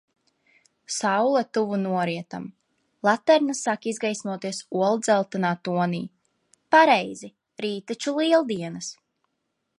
Saule tuvu norietam, laternas sāk izgaismoties oldzeltenā tonī. Pareizi, rīt taču Lieldienas.